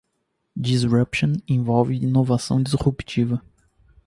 Disruption envolve inovação disruptiva.